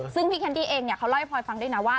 ซึ่งพี่แคนดี้เองเขาเล่าให้พลอยฟังด้วยนะว่า